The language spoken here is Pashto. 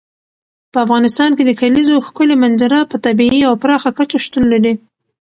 په افغانستان کې د کلیزو ښکلې منظره په طبیعي او پراخه کچه شتون لري.